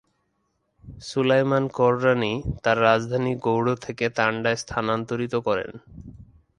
সুলায়মান কররানী তাঁর রাজধানী গৌড় থেকে তান্ডায় স্থানান্তরিত করেন।